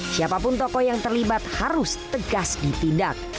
siapapun tokoh yang terlibat harus tegas ditindak